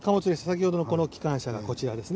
先ほどのこの機関車がこちらですね。